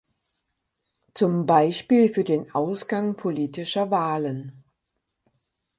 Zum Beispiel für den Ausgang politischer Wahlen.